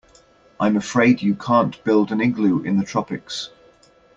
I'm afraid you can't build an igloo in the tropics.